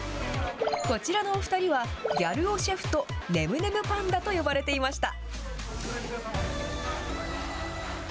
こちらのお２人は、ギャル男シェフとねむねむパンダと呼ばれていました。